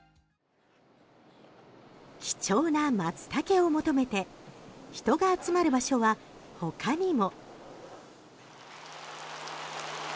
貴重なマツタケを求めて人が集まる場所は、ほかにも。